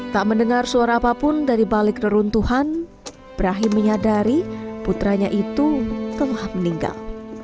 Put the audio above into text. tak mendengar suara apapun dari balik reruntuhan brahim menyadari putranya itu telah meninggal